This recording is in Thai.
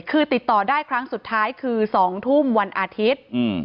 คือติดต่อได้ครั้งสุดท้ายคือ๒ทุ่มวันอาทิตย์